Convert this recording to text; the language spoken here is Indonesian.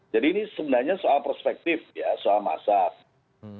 jadi ini sebenarnya soal perspektif ya soal masyarakat